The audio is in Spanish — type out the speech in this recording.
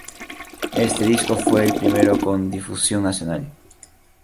Este disco fue el primero con difusión nacional.